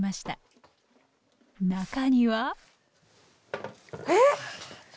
中にはええ！